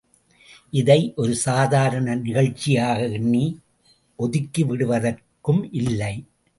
இதை ஒரு சாதாரண நிகழ்ச்சியாக எண்ணி ஒதுக்கிவிடுவதற்கும் இல்லை.